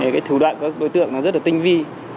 cái thủ đoạn của đối tượng nó rất là tinh vi